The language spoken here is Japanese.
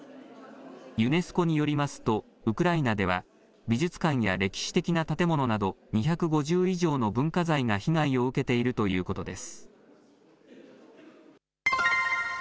ユネスコによりますと、ウクライナでは、美術館や歴史的な建物など、２５０以上の文化財が被害を受けているということです。